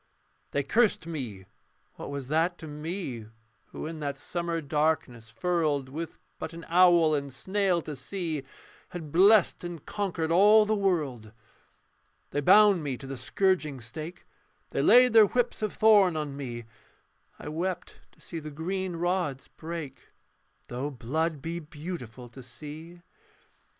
They cursed me: what was that to me Who in that summer darkness furled, With but an owl and snail to see, Had blessed and conquered all the world? They bound me to the scourging stake, They laid their whips of thorn on me; I wept to see the green rods break, Though blood be beautiful to see.